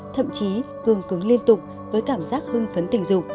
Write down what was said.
thậm chí cường cứng liên tục với cảm giác hưng phấn tình dục